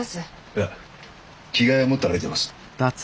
いや着替えは持って歩いてます。